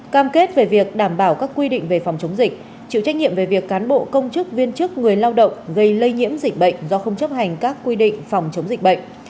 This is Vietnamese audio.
cam kết về việc đảm bảo các quy định về phòng chống dịch chịu trách nhiệm về việc cán bộ công chức viên chức người lao động gây lây nhiễm dịch bệnh do không chấp hành các quy định phòng chống dịch bệnh